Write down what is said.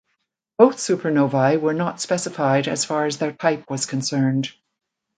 Both supernovae were not specified as far as their type was concerned.